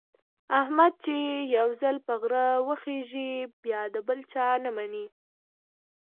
احمد چې یو ځل په غره وخېژي، بیا د بل چا نه مني.